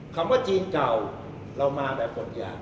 คำว่าจีนเก่าเรามาแบบบทยา